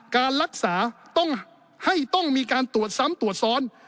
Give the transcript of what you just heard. การรักษาต้องให้ต้องมีการตรวจซ้ำตรวจซ้อน